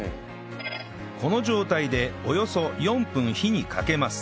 この状態でおよそ４分火にかけます